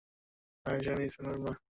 এই নারী ছিলেন ইউনুস নবীর মা।